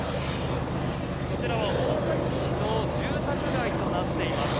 こちらは大崎市の住宅街となっています。